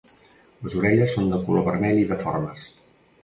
Les orelles són de color vermell i deformes.